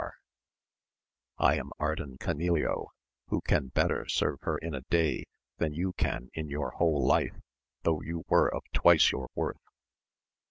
— I am Ardan Canileo, who can better serve her in a day than you can in your whole life, though you were of twice your worth.